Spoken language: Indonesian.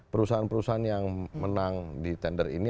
perusahaan perusahaan yang menang di tender ini